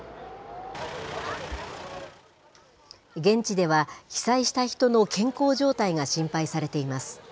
現地では被災した人の健康状態が心配されています。